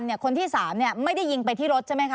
คนที่๓ไม่ได้ยิงไปที่รถใช่ไหมคะ